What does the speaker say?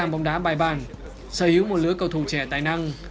bóng đá bài bản sở hữu một lứa cầu thù trẻ tài năng